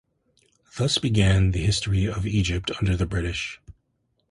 Thus began the History of Egypt under the British.